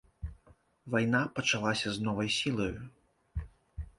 Вайна пачалася з новай сілаю.